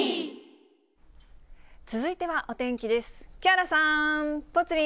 続いてはお天気です。